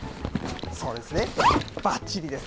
そうですね、ばっちりです。